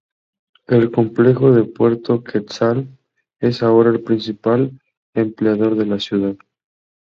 El complejo de Puerto Quetzal es ahora el principal empleador en la ciudad.